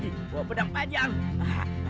kau dapat dua beginian dua kalung